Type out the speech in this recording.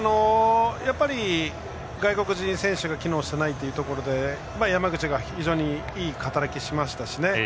やっぱり外国人選手が機能していないというところで山口が非常にいい働きをしましたしね。